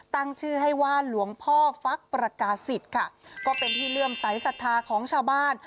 ตั้งชื่อให้ว่าหลวงพ่อฟักประกาศิษย์ค่ะก็เป็นที่เลื่อมใสสัทธาของชาวบ้าน